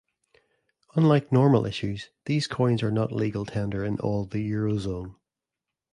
Unlike normal issues, these coins are not legal tender in all the eurozone.